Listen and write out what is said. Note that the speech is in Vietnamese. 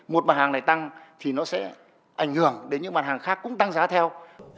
một mặt hàng này tăng thì nó sẽ ảnh hưởng đến những mặt hàng khác cũng tăng giá theo